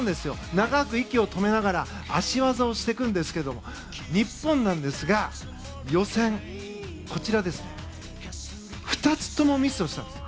長く息を止めながら脚技をしていくんですけど日本なんですが、予選２つともミスをしたんです。